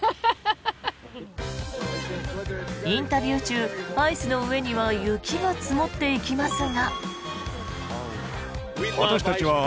インタビュー中アイスの上には雪が積もっていきますが。